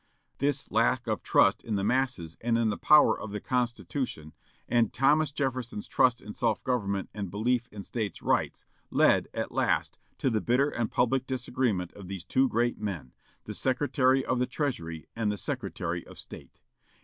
This lack of trust in the masses and in the power of the Constitution, and Thomas Jefferson's trust in self government and belief in States' rights, led, at last, to the bitter and public disagreement of these two great men, the Secretary of the Treasury and the Secretary of State.